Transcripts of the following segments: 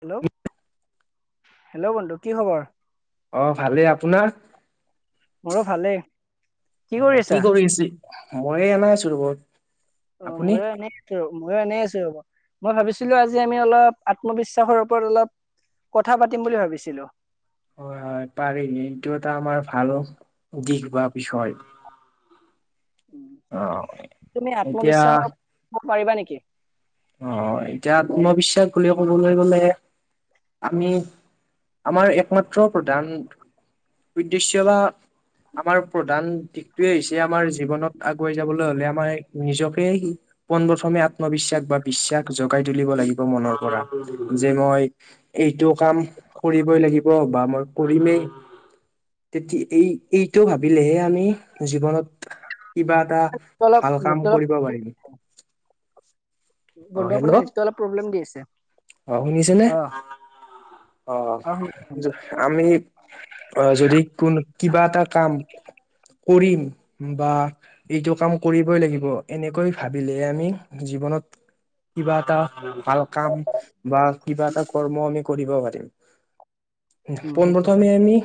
Hello hello বন্ধু কি খবৰ? অহ, ভালেই আপোনাৰ? মোৰো ভালেই। অহ, কি কৰি আছে মই এনেই আছো ঘৰত অহ, ময়ো এনে আছোঁ ময়ো এনে আছোঁ ৰুমত মই ভাবিছিলো আজি আমি অলপ আত্মবিশ্বাসৰ ওপৰত অলপ কথা পাতিম বুলি ভাবিছিলো। হয় হয় পাৰি এইটো এটা আমাৰ ভাল দিশ বা বিষয় উম, অহ তুমি এতিয়া আত্মবিশ্বাসৰ ওপৰত পাৰিবা নেকি? অহ এতিয়া আত্মবিশ্বাস বুলি ক'বলৈ গ'লে আমি আমাৰ একমাত্ৰ প্ৰধান উদ্দেশ্য বা আমাৰ প্ৰধান দিশটোৱেই হৈছে আমাৰ জীৱনত আগুৱাই যাবলৈ হলে আমাৰ নিজকে পোন প্ৰথমে আত্মবিশ্বাস বাদ বিশ্বাস জগাই তুলিব লাগিব মনৰ পৰা যে মই এইটো কাম কৰিবই লাগিব বা মই কৰিমেই তেতি এই এইটো ভাবিলেহে আমি জীৱনত কিবা এটা নেটটো অলপ ভাল কাম নেটটো অলপ কৰিব পাৰিম বন্ধু আপোনাৰ [unintelligible] অলপ প্ৰব্লেম দি আছে অহ শুনিছেনে অ অহ অ শুনিছো শুনিছো। আমি অহ যদি কোন কিবা এটা কাম [inaudible] কৰিম বা এইটো কাম কৰিবই লাগিব এনেকৈ ভাবিলে আমি জীৱনত [inaudible] কিবা এটা ভাল কাম বা কিবা এটা কৰ্ম আমি কৰিব পাৰিম। উম সেইটো হয় পোনপ্ৰথমে আমি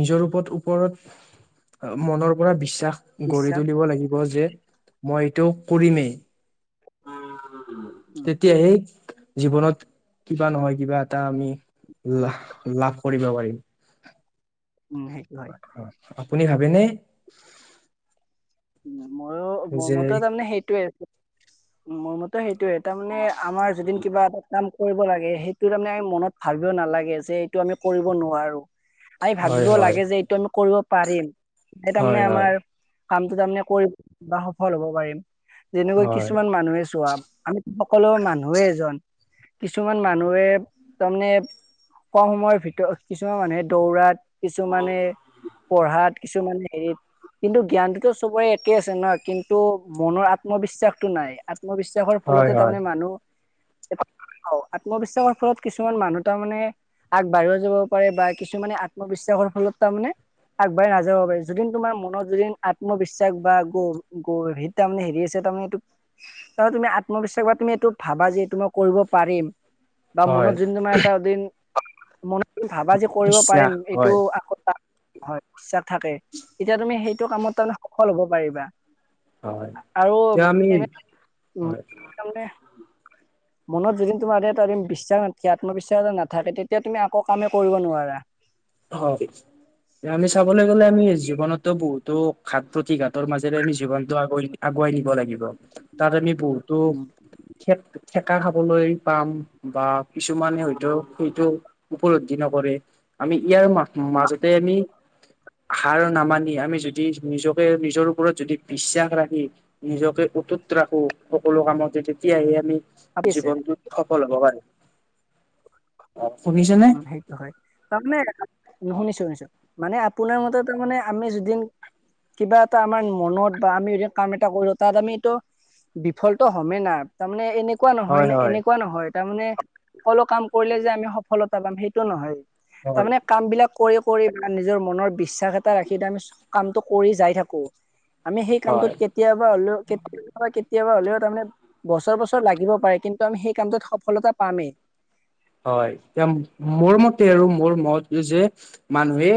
নিজৰ ওপৰত ওপৰত মনৰ পৰা বিশ্বাস গঢ়ি বিশ্বাস তুলিব লাগিব যে মই এইটো কৰিমেই উম তেতিয়াহে জীৱনত কিবা নহয় কিবা এটা আমি লা লাভ কৰিব পাৰিম উম সেইটো হয়। আপুনি ভাবেনে? ময়ো মোৰ যে মতে তাৰমানে সেইটোৱেই মোৰ মতে সেইটো য়ে তাৰ মানে আমাৰ যদিন কিবা এটা কাম কৰিব লাগে সেইটো তাৰমানে মনত ভাবিব নালাগে যে এইটো আমি কৰিব নোৱাৰো। আমি হয় ভাবিব হয় লাগে যে এইটো আমি কৰিব পাৰিম এই তাৰ মানে হয় হয় আমাৰ কাম তাৰমানে কৰিম বা সফল হ'ব পাৰিম, যেনেকৈ হয় কিছুমান মানুহে চোৱা আমি সকলো মানুহে এজন কিছুমান মানুহে তাৰমানে কম সময়ৰ ভিতৰত কিছুমান মানুহে দৌৰাত কিছুমানে পঢ়াত কিছুমানে হেৰিত কিন্তু জ্ঞানটোতো চবৰে একে আছে না কিন্তু মনৰ আত্মবিশ্বাসতো নাই আত্মবিশ্বাসৰ হয় ফলতে হয় তাৰমানে মানুহ এ আত্মবিশ্বাসৰ ফলত কিছুমান মানুহ তাৰ মানে আগবাঢ়িও যাব পাৰে বা কিছুমানে আত্মবিশ্বাসৰ ফলত তাৰমানে আগবাঢ়ি নাযাব পাৰি যদিন তোমাৰ মনত যদিন আত্মবিশ্বাস বা গ গঢ়ি তাৰমানে হেৰি আছে তাৰমানে এইটো তাপা তুমি আত্মবিশ্বাস বা তুমি ভাবা যে এইটো মই কৰিব পাৰিম বা হয় মনত যোন তোমাৰ এটা দিন তুমি ভাবা যে কৰিব পাৰিম বিশ্বাস এইটো হয় আকৌ হয় বিশাস থাকে এতিয়া তুমি সেইটো কামত তাৰমানে সফল হ'ব পাৰিবা। হয় আৰু এতিয়া আমি এনে উ হয় তাৰে মনত যদি তোমাৰ ই বিশ্বাস নাথাকে আত্মবিশ্বাস এটা নাথাকে তেতিয়া তুমি আকৌ কামে কৰিব নোৱাৰা। হয়। আমি চাবলৈ গ'লে আমি জীৱনতো বহুতো ঘাত প্ৰতি ঘাতৰ মাজেৰে আমি জীৱনটো আগুৱাই আগুৱাই নিম। লাগিব তাত আমি বহুতো আছে উম দেখা খাবলৈ পাম বা কিছুমানে হয়তো সেইটো উপলব্ধি নকৰে। আমি ইয়াৰ ম মাজতে আমি হাৰ নামানি আমি যদি নিজকে নিজৰ ওপৰত যদি বিশ্বাস ৰাখি নিজকে উটুত ৰাখো সকলো কামতে তেতিয়াহে আমি ভাবিছে। জীৱনটোত সফল হব পাৰে। উম সেইটো হয়, তাৰমানে এনেকা অ শুনিছো শুনিছো। মানে আপোনাৰ মতে তাৰমানানে আমি যদিন কিবা এটা আমাৰ মনত বা আমি কাম এটা কৰিলো তাত আমি ত বিফলটো হে ন তাৰমানে এনে এনেকুৱা নহয় হয় ন হয় এনেকুৱা নহয় তাৰমানে অকলো কাম কৰিলে যে আমি সফলতা পাম সেইটো নহয়। হয় তাৰমানে কাম বিলাক কৰি কৰি মনৰ নিজৰ মনৰ বিশ্বাস এটা ৰাখি আমি কামটো কৰি যাই থাকো। আমি সেই কামটোত হয় কেতিয়াবা হলেও কেতিয়াবা কেতিয়াবা হ'লেও তাৰমানে বছৰ বছৰ লাগিব পাৰে কিন্তু আমি সেই কামটোত সফলতা পামেই। হয়, এ মোৰ মতে আৰু মোৰ মত যে মানুহে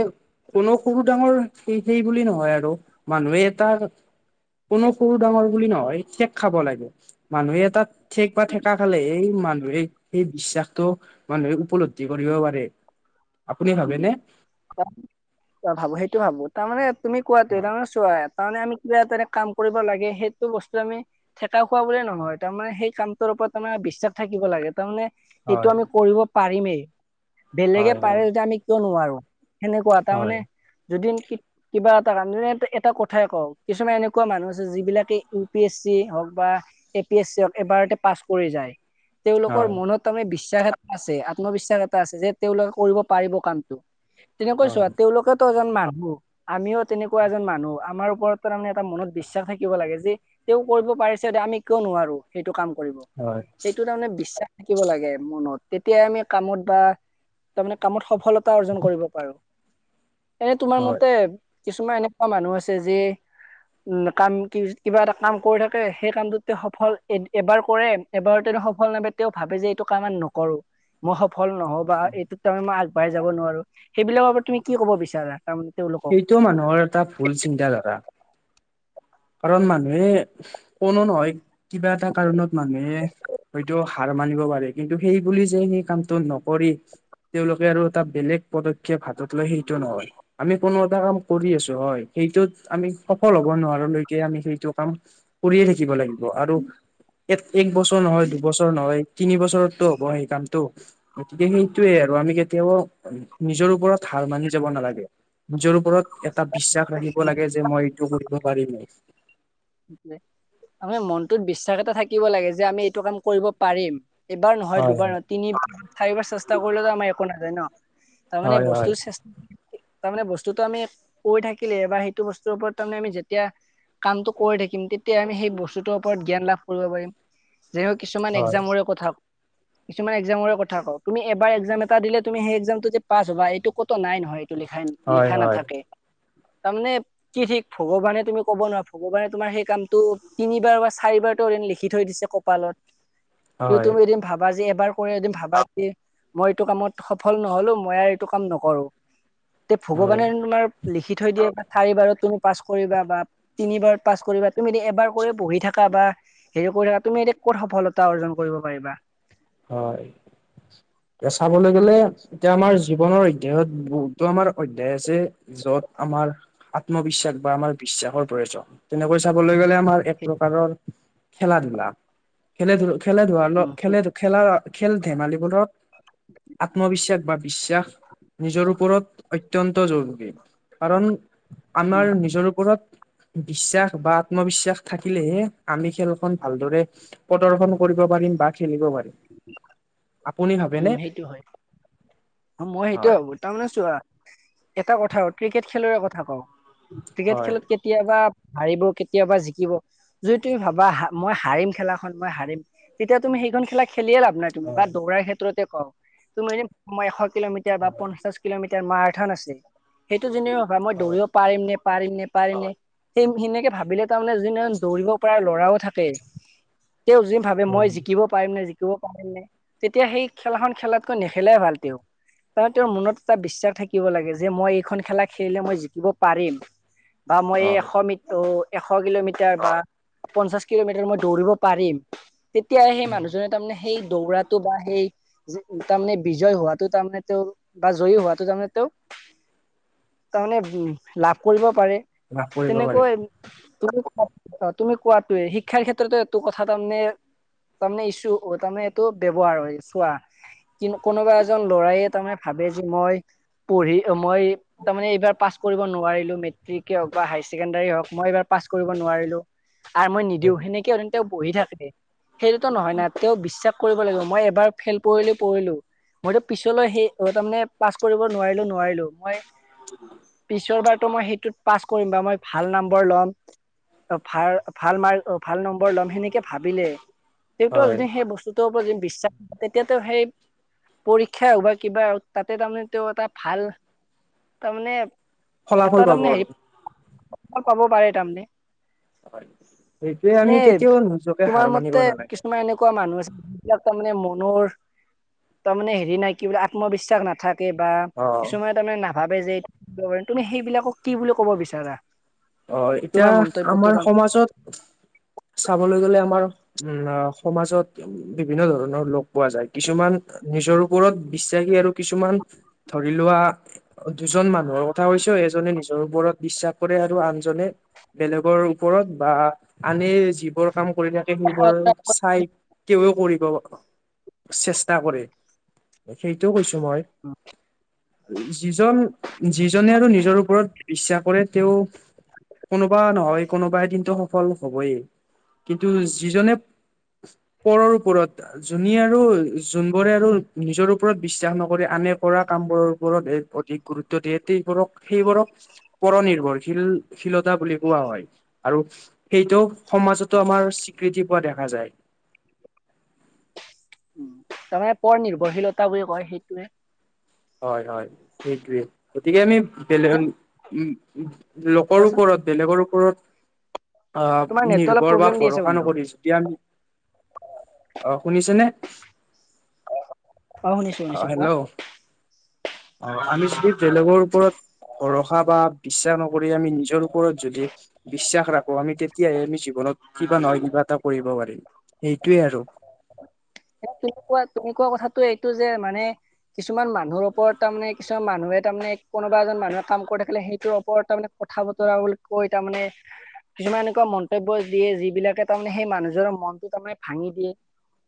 কোনো সৰু ডাঙৰ স সেই বুলি নহয় আৰু মানুহে তাৰ কোনো সৰু ডাঙৰ বুলি নহয় ঠেক খাব লাগে মানুহে তাত ঠেক বা ঠেকা খালে এই মানুহে সেই বিশ্বাস মানুহে উপলব্ধি কৰিব পাৰে। আপুনি উম, ভাবেনে ভাবো সেইটো ভাবো তাৰমানে তুমি কোৱাতে ৰমেশোৱা তাৰমানে আমি যে তেনে কাম কৰিব লাগে সেইটো বস্তু আমি ঠেকা খোৱা বুলিয়ে নহয় তাৰমানে সেই কামটোৰ ওপৰত আমাৰ বিশ্বাস থাকিব লাগে তাৰমানে সেটো হয় আমি কৰিব পাৰিমেই বেলেগে হয় হয় পাৰে যেতিয়া আমি কিয় নোৱাৰো। সেনেকুৱা তাৰমানে হয় যদি কিবা এটা এটা কথাই কওক কিছুমান এনেকুৱা মানুহ আছে যিবিলাকে ইউ পি এছ চি হওক বা এ পি এছ চিক এবাৰতে পাছ কৰি যায়। তেওঁলোকৰ হয় মনত তাৰমানে বিশ্বাস এটা আছে আত্মবিশ্বাস এটা আছে যে তেওঁলোকে কৰিব পাৰিব কামটো। তেনে কৈছোঁ হয় তেওঁলোকেতো এজন মানুহ আমিও তেনেকুৱা এজন মানুহ আমাৰ ওপৰত তাৰমানে এটা মনত বিশ্বাস থাকিব লাগে যে তেওঁ কৰিব পাৰিছে আমি কিয় নোৱাৰো সেইটো কাম কৰিব হয় সেইটো তাৰমানে বিশ্বাস থাকিব লাগে মনত তেতিয়া আমি কামত বা তাৰমানে কামত সফলতা অৰ্জন কৰিব পাৰো এনে তোমাৰ হয় মতে কিছুমান এনেকুৱা মানুহ আছে যে উম কাম কিবা এটা কাম কৰি থাকে সেই কামটোতে সফল এবাৰ কৰে এবাৰতে সফল নাপায় তেওঁ ভাবে যে এইটো কাম নকৰো। মই সফল নহ বা এইটোত তাৰে মই আগবঢ়াই যাব নোৱাৰো সেইবিলাকৰ তুমি কি ক'ব বিচাৰা তাৰমানে তেওঁলোকক সেইটো মানুহৰ এটা ভুল চিন্তা ধাৰা। [unintelligible] কাৰণ মানুহে কোনো নহয় কিবা এটা কাৰণত মানুহে হয়তো হাৰ মানিব পাৰে কিন্তু সেই বুলি যে সেই কামটো নকৰি তেওঁলোকে আৰু এটা বেলেগ পদক্ষেপ হাতত লৈ সেইটো নহয়। আমি কোনো এটা কাম কৰি আছো হয় সেইটোত আমি সফল হব নোৱাৰলৈকে আমি সেইটো কাম কৰিয়ে থাকিব লাগিব আৰু এক এক বছৰ নহয় দুবছৰ নহয় তিনি বছৰতটো হ'ব সেই কামটো। গতিকে সেইটোৱে আৰু আমি কেতিয়াওঁ নিজৰ ওপৰত হাৰ মানি যাব নালাগে। নিজৰ ওপ ওপৰত এটা বিশ্বাস ৰাখিব লাগে, যে মই এইটো কৰিব পাৰিমেই। আমাৰ মনটোত বিশ্বাস এটা থাকিব লাগে, যে আমি এইটো কাম কৰিব পাৰিম। এবাৰ নহয়, হয় দুবাৰ নহয়, তিনিবাৰ, চাৰিবাৰ চেষ্টা কৰিলেতো আমাৰ একো নাযায় নহ। তাৰমানে হয় হয় বস্তুৰ চেষ্টা। তাৰমানে বস্তুটো আমি কৰি থাকিলে বা সেইটো বস্তুৰ ওপৰত তাৰমানে আমি যেতিয়া কামটো কৰি থাকিম, তেতিয়া আমি সেই বস্তুটোৰ ওপৰত জ্ঞান লাভ কৰিব পাৰিম। যি হওঁক কিছুমান হয় এক্সামৰে কথা। কিছুমান এক্সামৰে কথা কওঁ। তুমি এবাৰ এক্সাম এটা দিলে তুমি সেই এক্সামটো যে পাছ হ'বা এইটো ক'তো নাই নহয়। টো লিখাইন হয় লিখা হয় নাথাকে। তাৰমানে, কি ঠিক ভগৱানে তুমি ক'ব নোৱাৰা। হ'ব পাৰে তোমাৰ সেই কামটো তিনিবাৰ বা চাৰিবাৰতো যেন লিখি থৈ দিছে কপালত। কিন্তু হয় হয় তুমি এদিন ভাবা যে। এবাৰ কৰি এদিন ভাবা কি, মই এইটো কামত সফল নহ'লো, মই আৰু এইটো কাম নকৰোঁ। তে ভগৱানে তোমাৰ লিখি থৈ দিয়ে বা চাৰিবাৰত তুমি পাছ কৰিবা বা তিনিবাৰত পাঁচ কৰিবা তুমি এদিন এবাৰ কৰি বহি থাকা বা হেৰি কৰি থাকা তুমি এদিন ক'ত সফলতা অৰ্জন কৰিব। ব পাৰিবা? হয়। এতিয়া চাবলৈ গ'লে তেওঁ আমাৰ জীৱনৰ অধ্যায়ত বহু। টো আমাৰ অধ্যায় আছে, য'ত আমাৰ আত্মবিশ্বাস বা আমাৰ বিশ্বাসৰ প্ৰয়োজন। তেনেকৈ চাবলৈ গ'লে আমাৰ এক সেই প্ৰকাৰৰ খেলা ধূলা। খেলে ধূল খেলে ধূলা ন, উম সেই খেলে ধূ। খেলাৰ অ খেল-ধেমালিবোৰত আত্মবিশ্বাস বা বিশ্বাস। নিজৰ ওপৰত অত্যন্ত জৰুৰী। কাৰণ, আমাৰ উম নিজৰ ওপৰত। বিশ্বাস বা আত্মবিশ্বাস থাকিলেহে আমি খেলখন ভালদৰে প্ৰদৰ্শন কৰিব পাৰ। ৰিম বা খেলিব পাৰিম। [inaudible] আপুনি উম ভাবেনে? সেইটো হয় মই সেইটোৱে হয় ভাৱোঁ। তাৰমানে চোৱা এটা কথা কওঁ ক্ৰিকেট খেলোৰে কথা কওঁ। ক্ৰিকেট হয় খেলত কেতিয়াবা। হাৰিব কেতিয়াবা জিকিব। যদি তুমি ভাবা হা মই হাৰিম খেলাখন মই হাৰিম, তেতিয়া তুমি। সেইখন খেলাক খেলিয়ে লাভ নাই তুমি বা হয় দৌৰাৰ ক্ষেত্ৰতে কওঁ, তুমি এনে মই এশ কিলোমিটাৰ বা হয় পঞ্চাশ কিলোমিটাৰ তেতিয়া মাৰাথন আছিল। সেইটো যেনিবা ভাৱা মই হয় দৌৰিব পাৰিম নে, পাৰিম নে, পাৰি নে? সেই সেনেকে ভাবিলে তাৰমানে জেনেৰেল দৌৰিব পৰা ল'ৰাও থাকে। তেওঁ যি ভাবে মই উম জিকিব পাৰিম নে, জিকিব পাৰিম নে? তেতিয়া সেই খেলাখন খেলাতকৈ নেখেলাই ভাল। তেওঁ। কাৰণ তেওঁৰ মনত এটা বিশ্বাস থাকিব লাগে, যে মই এইখন খেলা খেলিলে মই জিকিব পাৰিম। বা মই এ হয় এশ মিটো এশ কিলোমিটাৰ মিটাৰ বা পঞ্চাশ কিলোমিটাৰ মই দৌৰিব পাৰিম, তেতিয়া সেই উম মানুহজনে তাৰমানে। সেই দৌৰাটো বা সেই, যে তাৰমানে বিজয় হোৱাত ত তাৰমানে তেওঁ বা জয়ী হোৱাতো তাৰমানে তেওঁ। তাৰমানে উম লাভ কৰিব পাৰে। লাভ কৰিব পাৰিম তেনেকৈ। [unintelligible] অ' তুমি কোৱাটোৱে। শিক্ষাৰ ক্ষেত্ৰতো এইটো কথা তাৰমানে তাৰমানে ইচ্যু তাৰমানে এইটো ব্যৱহাৰ হয়। চোৱা কিন্তু কোনোবা। এজন ল'ৰাইয়ে তাৰমানে ভাবে, যে মই পঢ়ি অ মই তাৰমানে এইবাৰ পাছ কৰিব নোৱাৰিলো মেট্ৰিকে হওঁক বা হাই ছেকেণ্ডাৰী হওঁক। মই এইবাৰ পা। পাছ কৰিব নোৱাৰিলোঁ। আৰু মই উম নিদিওঁ সেনেকে [unintelligible] তেওঁ বহি থাকে। সেইটোতো নহয় না তেওঁ বিশ্বাস। কৰিব লাগিব। মই এবাৰ ফেইল পঢ়িলোঁ পঢ়িলোঁ। মইতো পিছলৈ সেই অ তাৰমানে পাছ কৰিব নোৱাৰিলোঁ নোৱাৰিলোঁ। মই পিছৰ বাৰ। ত মই সেইটোত পাছ কৰিম বা মই ভাল নম্বৰ লম অ ভাল, ভাল মাৰ্ক অ। ভাল নম্বৰ ল'ম সেনেকে ভাবিলে, তেওঁটো হয় যদি সেই বস্তুটো। [unintelligible] বিশ্বাস তেতিয়াতো সেই পৰীক্ষা হক বা কিবায়ে হওঁক তাতে তাৰমানে তেওঁ এটা ভাল তাৰমানে ফলাফল পাব আৰু। ক'ব পাৰে তাৰামানে। হয় সেইটোৱে আমি এনে কেতিয়াও নিজকে হাৰ তোমাৰ মানিব মতে নালাগে কিছুমান এনেকুৱা মানুহ আছে সেইবিলাক তাৰমানে মনৰ তাৰমানে হেৰি নাই কি বুলি কয় আত্মবিশ্বাস নাথাক কে বা অ কিছুমানে তাৰমানে নাভাবে যে এই তুমি সেইবিলাকক কি বুলি ক'ব বিচাৰা? অ' এতিয়া তোমাৰ মন্তব্যটো আমাৰ তাৰ সমাজত চাবলৈ গ'লে আমাৰ উম সমাজত বিভিন্ন ধৰণৰ লোক পোৱা যায়, কিছুমান নিজৰ ওপৰত বিশ্বাস [unintelligible] আৰু কিছুমান ধৰি লোৱা দুজন মান। [unintelligible] কথা কৈছোঁ এজনে নিজৰ ওপৰত বিশ্বাস কৰে আৰু আন। জনে বেলেগৰ ওপৰত বা আনে যিবোৰ কাম কৰি থাকে সেইবোৰ চাই তেওঁ কৰিব চেষ্টা কৰে। সেইটো কৈছো মই যিজন, যিজনে আৰু নিজৰ ওপৰত ইচ্ছা কৰে তেওঁ কোনোবা নহয় কোনোবা এদিনটো সফল হবয়ে। কিন্তু যিজনে পৰৰ ওপৰত যোনি আৰু যোনবোৰে আৰু নিজৰ ওপৰত বিশ্বাস নকৰি আন মানে কৰা কামবোৰৰ ওপৰতহে অধিক গুৰুত্ব দিয়ে [unintelligible] সেইবোৰক পৰ নিৰ্ভৰশীল শীলতা বুলি কোৱা হয় আৰু সেইটো সমাজতো আমাৰ স্বীকৃতি পোৱা দেখা যায়। [inaudible] উম, তাৰমানে পৰ নিৰ্ভৰশীলতা বুলি কয় সেইটোৱে। হয়-হয় সেইটোৱে গতিকে আমি বেলেগ এ উম লকৰ কোৱাচোন ওপৰত বেলেগৰ ওপৰত আ, তোমাৰ নেটটো অলপ নিৰ্ভৰ বা প্ৰব্লেম দি আছে ভৰসা বন্ধু নকৰি যদি আমি অ' শুনিছা নে? অ'। অ শুনিছোঁ-শুনিছোঁ কোৱা? হেল্ল' অ আমি যদি বেলেগৰ ওপৰত ভৰসা বা, বিশ্বাস নকৰি আমি নিজৰ ওপৰত যদি বিশ্বাস ৰাখোঁ, আমি তেতিয়াহে আমি জীৱনত কিবা নহয় কিবা, কৰিব পাৰিম সেইটোৱে আৰু [unintelligible] তুমি কোৱা তুমি কোৱা কথাটো এইটো যে মানে কিছুমান মানুহৰ ওপৰত তাৰমানে কিছুমান মানুহে তাৰমানে কোনোবা এজন মানুহে কাম কৰি থাকিলে, সেইটোৰ ওপৰত তাৰমানে, কথা-বতৰা বুলি কৈ তাৰমানে কিছুমান এনেকুৱা মন্তব্য দিয়ে যিবিলাকে তাৰমানে সেই মানুহজনৰ। মনটো তাৰমানে ভাঙি দিয়ে।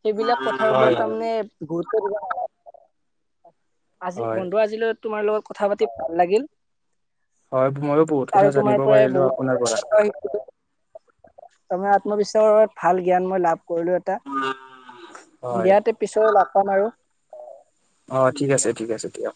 সেইবিলাক কথাৰ হয় হয় ওপৰত, তাৰমানে গুৰুত্ব- আজি হয় বন্ধু আজিলৈ তোমাৰ লগত কথা পাতি ভাল লাগিল। হয় ময়ো বহুত কথা আৰু জানিব তোমাৰ পৰাই পাৰিলো আপোনাৰ পৰা বহুত [unintelligible] আত্মবিশ্বাসৰ ভাল জ্ঞান মই লাভ কৰিলোঁ এটা, হয় দিয়াতে পিছৰে লাভ, কাম আৰু অ উম, ঠিক দিয়া। আছে ঠিক আছে দিয়ক।